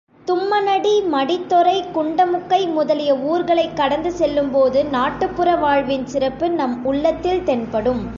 தும்மனடி, மடித்தொறை, குண்டமுக்கை முதலிய ஊர்களைக் கடந்து செல்லும் போது நாட்டுப்புற வாழ்வின் சிறப்பு நம் உள்ளத்தில் தென்படும்.